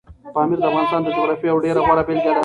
پامیر د افغانستان د جغرافیې یوه ډېره غوره بېلګه ده.